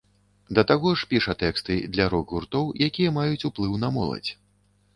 Да таго ж піша тэксты для рок-гуртоў, якія маюць уплыў на моладзь.